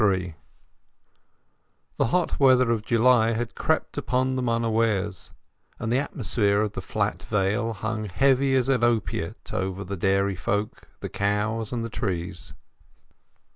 XXIII The hot weather of July had crept upon them unawares, and the atmosphere of the flat vale hung heavy as an opiate over the dairy folk, the cows, and the trees.